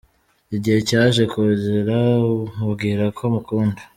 Igihe cyaje kugera mubwira ko mukunda.